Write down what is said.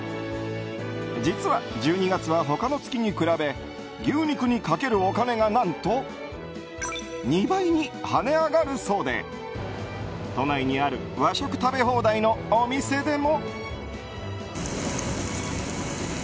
実は、１２月は他の月に比べ牛肉にかけるお金が何と２倍に跳ね上がるそうで都内にある和食食べ放題のお店でも。